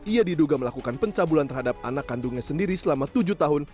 ia diduga melakukan pencabulan terhadap anak kandungnya sendiri selama tujuh tahun